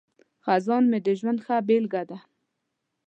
خزان مې د ژوند ښه بیلګه ده.